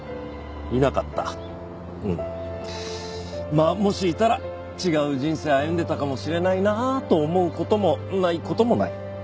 まあもしいたら違う人生歩んでたかもしれないなと思う事もない事もない。